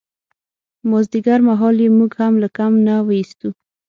مازدیګرمهال یې موږ هم له کمپ نه ویستو.